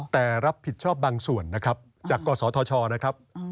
แต่รับผิดชอบบางส่วนนะครับจากกศธชนะครับ